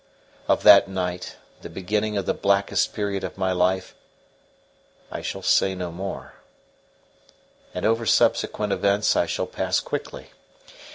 Of that night, the beginning of the blackest period of my life, I shall say no more; and over subsequent events I shall pass quickly.